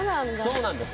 そうなんです。